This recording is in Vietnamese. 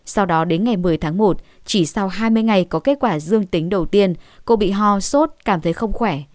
sau đó đến ngày một mươi tháng một chỉ sau hai mươi ngày có kết quả dương tính đầu tiên cô bị ho sốt cảm thấy không khỏe